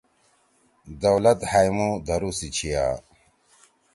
دولت ہأمُو دھرُو سی چھیا۔